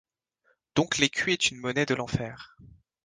Donc l’écu est une monnaie de l’enfer.